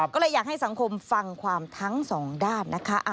ก็เลยอยากให้สังคมฟังความทั้งสองด้านนะคะ